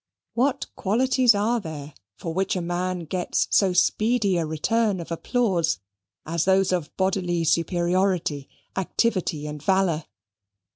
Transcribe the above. What qualities are there for which a man gets so speedy a return of applause, as those of bodily superiority, activity, and valour?